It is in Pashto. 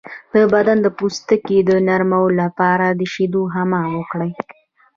د بدن د پوستکي د نرمولو لپاره د شیدو حمام وکړئ